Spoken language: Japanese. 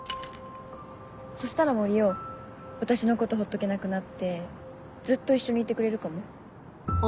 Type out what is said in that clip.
そしたら森生私のことほっとけなくなってずっと一緒にいてくれるかも。